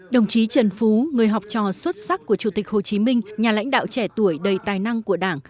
đồng chí trần phú người học trò xuất sắc của chủ tịch hồ chí minh nhà lãnh đạo trẻ tuổi đầy tài năng của đảng